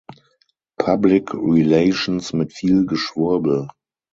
Public Relations mit viel Geschwurbel.